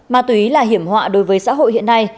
mà tùy ý là hiểm họa đối với xã hội hiện nay